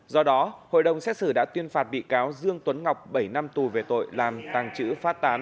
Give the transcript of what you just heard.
do đó hội đồng xét xử đã tuyên phạt bị cáo dương tuấn ngọc bảy năm tù về tội làm tàng trữ phát tán